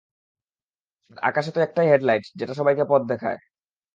আরে আকাশে তো একটাই হেড লাইট, যেটা সবাইকে পথ দেখায়।